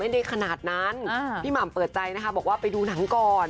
ได้ขนาดนั้นพี่หม่ำเปิดใจนะคะบอกว่าไปดูหนังก่อน